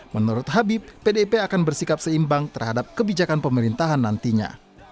menurut habib pdip akan bersikap seimbang terhadap kebijakan pemerintahan nantinya